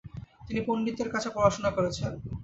তিনি পণ্ডিতদের কাছে পড়াশোনা করেছেন।